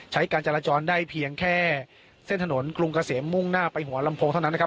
การจราจรได้เพียงแค่เส้นถนนกรุงเกษมมุ่งหน้าไปหัวลำโพงเท่านั้นนะครับ